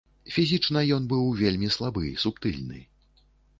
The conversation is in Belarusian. Фізічна ён быў вельмі слабы, субтыльны.